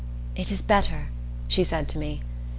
"It is better," she said to me.